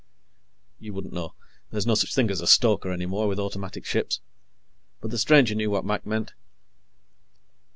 You wouldn't know. There's no such thing as a stoker any more, with automatic ships. But the stranger knew what Mac meant.